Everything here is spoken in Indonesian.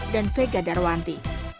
dan vega darwanti